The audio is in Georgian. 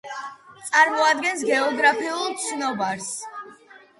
წარმოადგენს გეოგრაფიულ ცნობარს.